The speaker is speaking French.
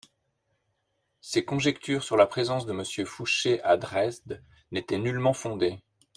Ces conjectures sur la présence de Monsieur Fouché à Dresde n'étaient nullement fondées.